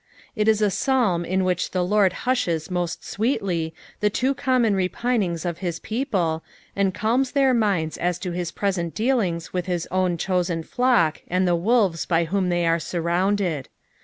B in a Psalm in iciiich the Lord h unhes moai sioeeUy (h* too eontn>on repinings of his people, and aUms their minds as to his presttU dealings wUh his own chonenfiock, and the XBol\:ts by vihom they art sarrounded.